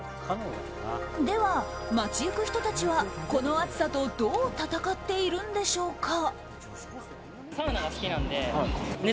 では、街行く人たちはこの暑さとどう闘っているんでしょうか。